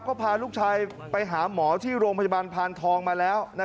ก็พาลูกชายไปหาหมอที่โรงพยาบาลพานทองมาแล้ว